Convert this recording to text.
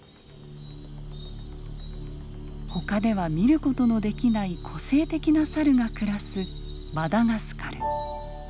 ほかでは見る事のできない個性的なサルが暮らすマダガスカル。